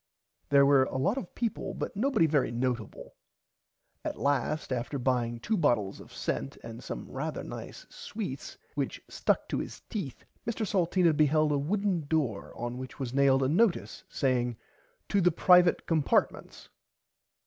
There were a lot of peaple but nobody very noteable. At last after buying two bottles of scent and some rarther nice sweets which stuck to his teeth Mr Salteena beheld a wooden door on which was nailed a notice saying To the Privite Compartments.